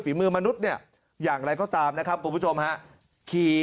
มือมนุษย์เนี่ยอย่างไรก็ตามนะครับคุณผู้ชมฮะ